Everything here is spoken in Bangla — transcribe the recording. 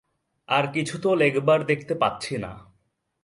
আর কিছু তো লেখবার দেখতে পাচ্ছি না।